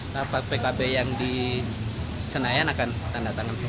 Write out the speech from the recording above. kenapa pkb yang di senayan akan tanda tangan sih